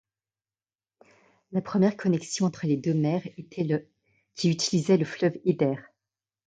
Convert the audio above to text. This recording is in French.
La première connexion entre les deux mers était le qui utilisait le fleuve Eider.